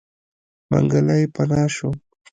منګلی پناه شو.